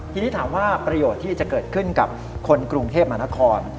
ทีนี้ถามว่าประโยชน์ที่จะเกิดขึ้นกับคนกรุงเทพมหานคร